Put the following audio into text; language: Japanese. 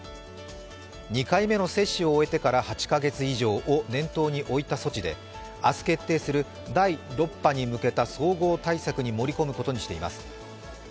２回目の接種を終えてから８カ月以上を念頭に置いた措置で明日決定する第６波に向けた総合対策に盛り込むことにしています。